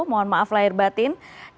mohon maaf lahir batin